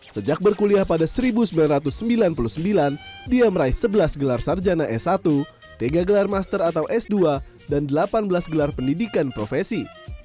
sejak berkuliah pada seribu sembilan ratus sembilan puluh sembilan dia meraih sebelas gelar sarjana s satu tiga gelar master atau s dua dan delapan belas gelar pendidikan profesi